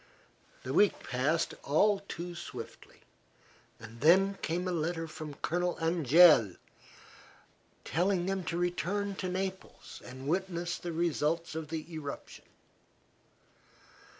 The week passed all too swiftly, and then came a letter from Colonel Angeli telling them to return to Naples and witness the results of the eruption.